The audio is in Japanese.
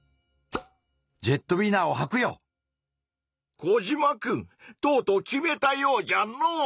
コジマくんとうとう決めたようじゃの！